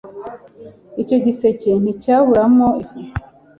Icyo giseke nticyaburamo ifu